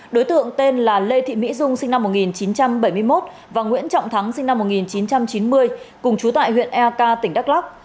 đối tượng tên là lê thị mỹ dung sinh năm một nghìn chín trăm bảy mươi một và nguyễn trọng thắng sinh năm một nghìn chín trăm chín mươi cùng chú tại huyện eak tỉnh đắk lắc